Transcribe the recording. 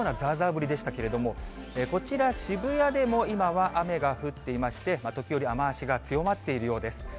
降りでしたけど、こちら、渋谷でも今は雨が降っていまして、時折雨足が強まっているようです。